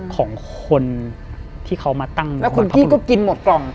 ของคนที่เขามาตั้งแล้วคุณพี่ก็กินหมดกล่อง